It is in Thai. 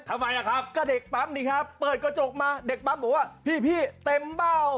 ทำไมอ่ะครับก็เด็กปั๊มนี่ครับเปิดกระจกมาเด็กปั๊มบอกว่าพี่เต็มเบ้า